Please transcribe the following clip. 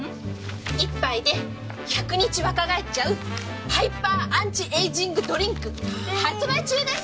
１杯で１００日若返っちゃうハイパーアンチエージングドリンク発売中です！